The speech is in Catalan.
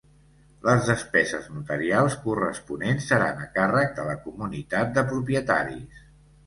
Les despeses notarials corresponents seran a càrrec de la comunitat de propietaris.